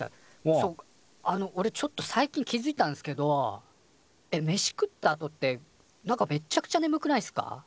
そうあのおれちょっと最近気づいたんすけどえっ飯食ったあとってなんかめっちゃくちゃねむくないっすか？